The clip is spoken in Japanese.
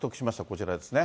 こちらですね。